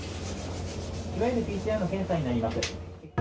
いわゆるＰＣＲの検査になります。